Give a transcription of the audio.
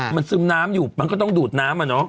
มันซึมน้ำอยู่มันก็ต้องดูดน้ำอะเนาะ